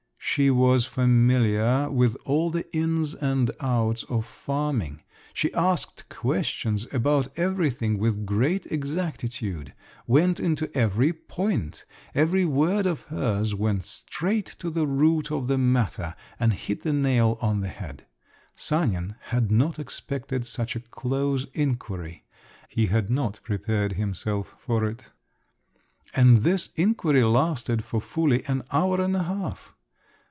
She was familiar with all the ins and outs of farming; she asked questions about everything with great exactitude, went into every point; every word of hers went straight to the root of the matter, and hit the nail on the head. Sanin had not expected such a close inquiry, he had not prepared himself for it. And this inquiry lasted for fully an hour and a half.